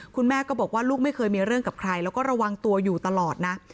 คุณแม่ก็บอกว่าลูกไม่เคยมีเรื่องกับใครแล้วก็ระวังตัวอยู่ตลอดนะ